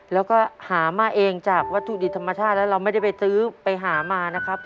แล้วก็หามาเองจากวัตถุดิบธรรมชาติแล้วเราไม่ได้ไปซื้อไปหามานะครับ